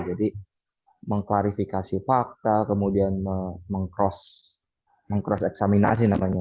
jadi mengklarifikasi fakta kemudian meng cross meng cross eksaminasi namanya